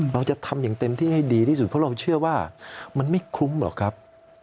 เราจะทำอย่างเต็มที่ให้ดีที่สุดเพราะเราเชื่อว่ามันไม่คุ้มหรอกครับ